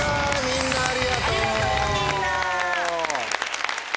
みんなありがとう。